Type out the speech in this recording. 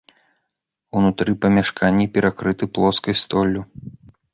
Унутры памяшканні перакрыты плоскай столлю.